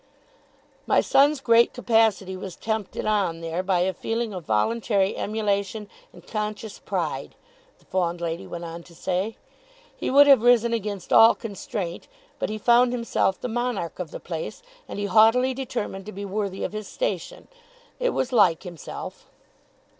'My son's great capacity was tempted on, there, by a feeling of voluntary emulation and conscious pride,' the fond lady went on to say. 'He would have risen against all constraint; but he found himself the monarch of the place, and he haughtily determined to be worthy of his station. It was like himself.